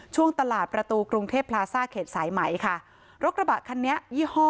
ช่วงตลาดประตูกรุงเทพพลาซ่าเขตสายไหมค่ะรถกระบะคันนี้ยี่ห้อ